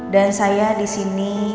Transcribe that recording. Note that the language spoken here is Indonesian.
dan saya disini